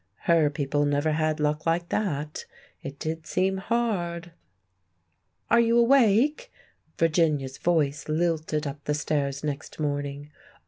Her people never had luck like that. It did seem hard! "Are you awake?" Virginia's voice lilted up the stairs next morning.